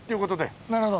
なるほど。